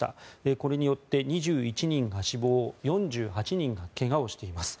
これによって２１人が死亡４８人が怪我をしています。